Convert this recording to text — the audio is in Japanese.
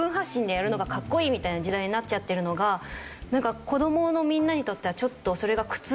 みたいな時代になっちゃってるのがなんか子どものみんなにとってはちょっと。